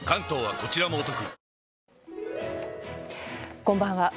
こんばんは。